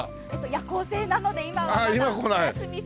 夜行性なので今はまだお休み中。